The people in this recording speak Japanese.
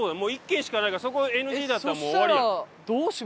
そこＮＧだったらもう終わりや。